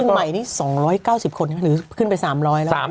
ที่ชั่วใหม่นี้๑๙๙๐แมงหรือขึ้นไป๓๐๐แล้ว